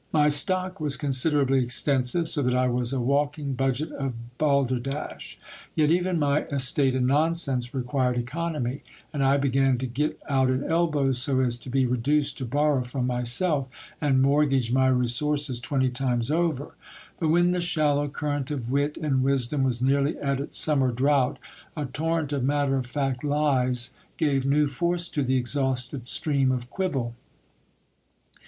My stock was cons : derably extensive ; so that I was a walking budget of bal derdash. Yet even my estate in nonsense required economy ; and I began to get out at elbows, so as to be reduced to borrow from myself, and mortgage my resources twenty times over : but when the shallow current of wit and wis dom was nearly at its summer drought, a torrent of matter of fact lies gave new force to the exhausted stream of quibble.